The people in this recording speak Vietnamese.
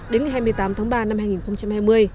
đến ngày hai mươi tám tháng ba năm hai nghìn hai mươi